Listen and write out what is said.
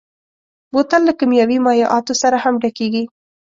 بوتل له کيمیاوي مایعاتو سره هم ډکېږي.